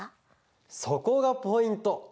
そこがポイント。